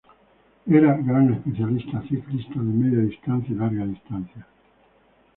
Era gran especialista ciclista de media distancia y larga distancia.